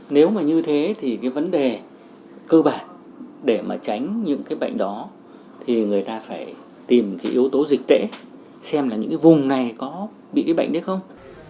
nếu như thế vấn đề cơ bản để tránh những bệnh đó người ta phải tìm yếu tố dịch tễ xem những vùng